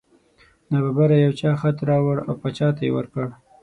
نا ببره یو چا خط راوړ او باچا ته یې ورکړ.